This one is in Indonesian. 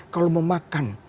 kalau mau makan